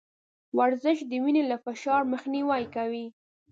ورزش د وينې له فشار مخنيوی کوي.